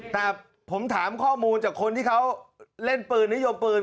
แต่ผมถามข้อมูลจากคนที่เขาเล่นปืนนิยมปืน